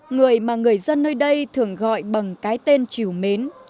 người mà người dân nơi đây thường gọi bằng cái tên triều mến